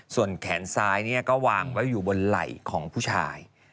ส่วนแขนซ้ายก็วางไว้อยู่บนไหล่ของผู้ชาย